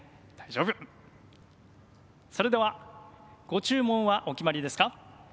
それではご注文はお決まりですか？